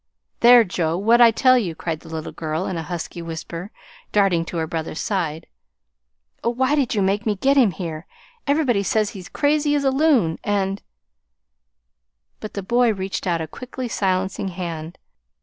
"There, Joe, what'd I tell you," cried the little girl, in a husky whisper, darting to her brother's side. "Oh, why did you make me get him here? Everybody says he's crazy as a loon, and " But the boy reached out a quickly silencing hand.